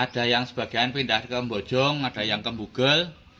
ada yang sebagian pindah ke bojong ada yang ke bugel